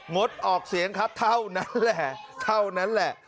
งดออกเสียงครับเท่านั้นแหละเท่านั้นแหละ